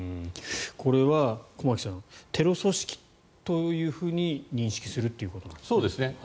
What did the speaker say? これは駒木さんテロ組織というふうに認識するということなんですね。